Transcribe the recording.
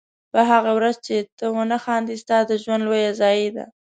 په هغې ورځ چې ته ونه خاندې ستا د ژوند لویه ضایعه ده.